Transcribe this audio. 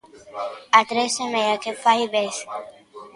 A tres, semella que fai vez.